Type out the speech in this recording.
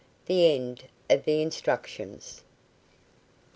THE END OF THE INSTRUCTIONS.